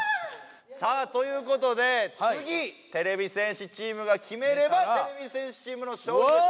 さあということでつぎてれび戦士チームが決めればてれび戦士チームの勝利です。